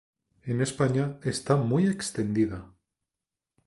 En España está muy extendida.